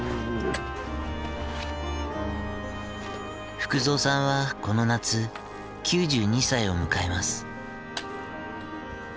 福蔵さんはこの夏９２歳を迎えます。